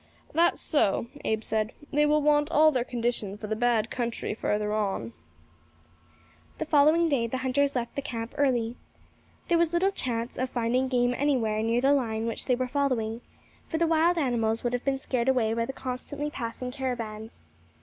"That's so," Abe said; "they will want all their condition for the bad country further on." The following day the hunters left the camp early. There was little chance of finding game anywhere near the line which they were following, for the wild animals would have been scared away by the constantly passing caravans.